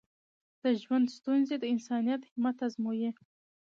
د ژوند ستونزې د انسان همت ازمويي.